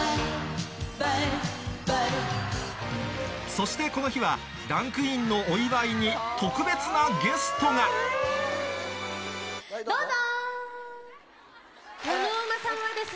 そしてこの日はランクインのお祝いに特別なゲストがどうぞ！